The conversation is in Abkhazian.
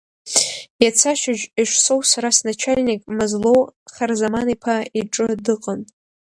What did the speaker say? Иац ашьыжь Ешсоу сара сначальник Мазлоу Харзаман-иԥа иҿы дыҟан.